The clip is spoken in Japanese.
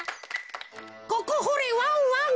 「ここほれワンワン」。